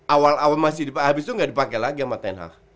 awal awal masih habis itu gak dipake lagi sama sepuluh h